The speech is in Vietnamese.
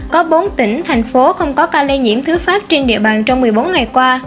có bốn tỉnh thành phố không có ca lây nhiễm thứ phát trên địa bàn trong một mươi bốn ngày qua